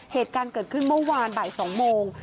เหตุการณ์เกิดขึ้นเมื่อวานบ่าย๒โมง